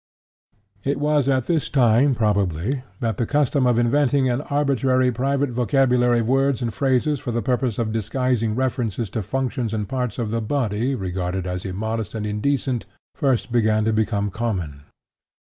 It was at this time, probably, that the custom of inventing an arbitrary private vocabulary of words and phrases for the purpose of disguising references to functions and parts of the body regarded as immodest and indecent, first began to become common.